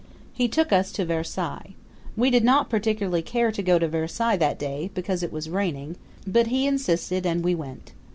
He took us to Versailles. We did not particularly care to go to Versailles that day, because it was raining; but he insisted and we went.